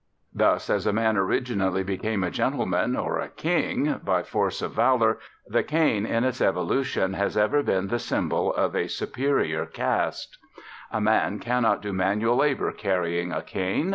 Thus as a man originally became a gentleman, or a king, by force of valour, the cane in its evolution has ever been the symbol of a superior caste. A man cannot do manual labour carrying a cane.